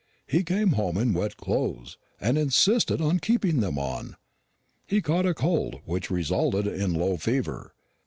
He came home in wet clothes, and insisted on keeping them on. He caught a cold; which resulted in low fever.